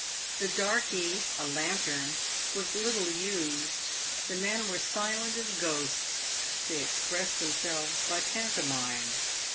The darkie — a lantern — was little used. The men were silent as ghosts. They expressed themselves by pantomime.